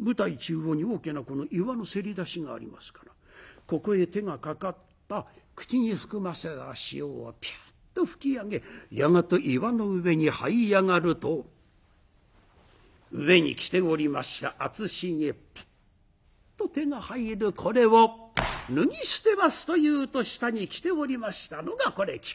舞台中央に大きな岩のせり出しがありますからここへ手がかかった口に含ませた潮をピュっと吹き上げやがて岩の上にはい上がると上に着ておりました厚司にピュッと手が入るこれを脱ぎ捨てますというと下に着ておりましたのがこれ亀甲縞だ。